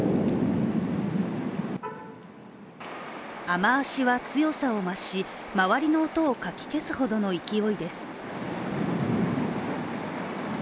雨足は強さを増し、周りの音をかき消すほどの勢いです。